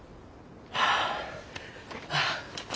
ああ。